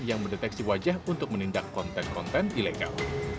yang mendeteksi wajah untuk menindak konten konten ilegal